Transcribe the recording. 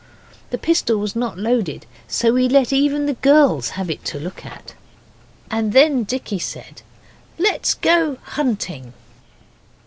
The pistol was not loaded, so we let even the girls have it to look at. And then Dicky said, 'Let's go hunting.